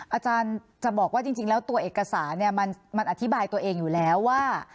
อาจารย์จะบอกว่าจริงแล้วตัวเอกสารมันอธิบายตัวเองอยู่แล้วว่า